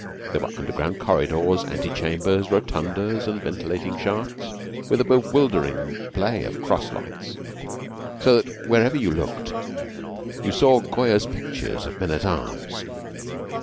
There were underground corridors, ante chambers, rotundas, and ventilating shafts with a bewildering play of cross lights, so that wherever you looked you saw Goya's pictures of men at arms.